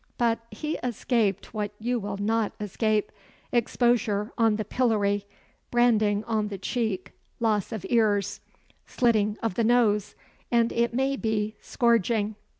But he escaped what you will not escape exposure on the pillory, branding on the cheek, loss of ears, slitting of the nose, and it may be, scourging.